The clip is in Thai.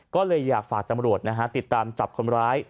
ก็เลยอยากฝากตำรวจนะฮะติดตามจับคนร้าย